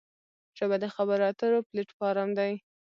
ژبه د خبرو اترو پلیټ فارم دی